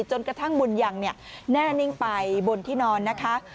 จนกระทั่งบุญยังแน่นิ่งไปบนที่นอนนะคะ